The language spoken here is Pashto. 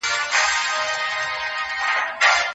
د توحيد بنسټ په تدبر او تفکر ولاړ دی.